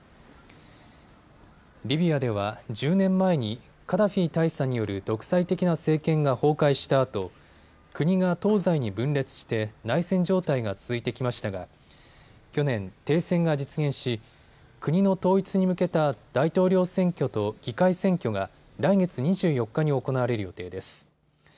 リビアでは１０年前にカダフィ大佐による独裁的な政権が崩壊したあと国が東西に分裂して内戦状態が続いてきましたが去年、停戦が実現し国の統一に向けた大統領選挙と議会選挙が来月２４日に行われる予定です。